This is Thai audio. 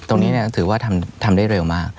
ตรงนี้ถือว่าทำได้เร็วมาก